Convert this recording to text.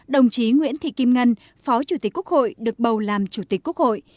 đồng chí nguyễn thị kim ngân phó chủ tịch quốc hội được bầu làm chủ tịch quốc hội